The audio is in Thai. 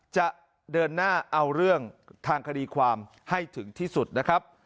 จะเดินหน้าเอาเรื่องทางคดีความให้ถึงที่สุดนะครับ